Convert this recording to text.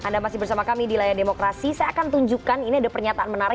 sampai jumpa di layar demokrasi